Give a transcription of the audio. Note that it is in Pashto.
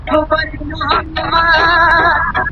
حقوقو پوهنځۍ بې بودیجې نه تمویلیږي.